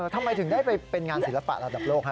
ทำไมถึงได้ไปเป็นงานศิลปะระดับโลก